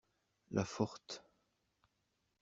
La forte.